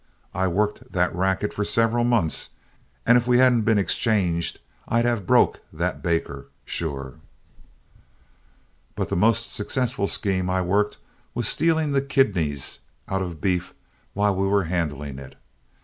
I worked that racket for several months, and if we hadn't been exchanged, I'd have broke that baker, sure. "But the most successful scheme I worked was stealing the kidneys out of beef while we were handling it.